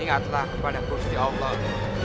ingatlah kepada bursi allah